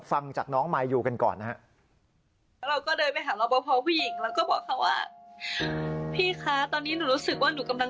ฟังจากน้องมายูกันก่อนนะครับ